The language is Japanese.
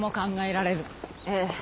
ええ。